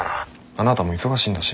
あなたも忙しいんだし。